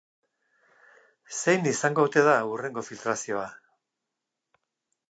Zein izango ote da hurrengo filtrazioa?